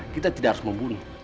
kita tidak harus membunuh